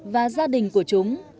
và gia đình của chúng